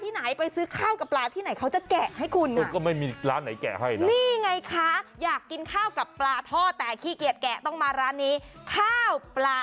มันเป็นข้าวสวยโป๊ะด้วยปลานินที่แกะแล้ว